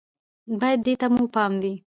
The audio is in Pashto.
بايد دې ته مو پام وي